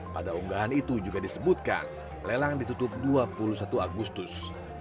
pada unggahan itu juga disebutkan lelang ditutup dua puluh satu agustus